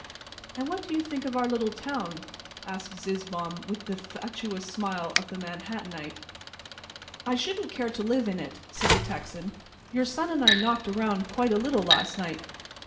"And what did you think of our little town?" asked Zizzbaum, with the fatuous smile of the Manhattanite. "I shouldn't care to live in it," said the Texan. "Your son and I knocked around quite a little last night.